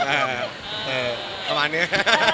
เออประมาณเนี้ย